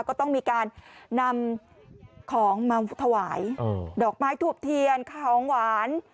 ก็ต้องมีการนำของมาถวายดอกไม้ทูบเทียนของหวาน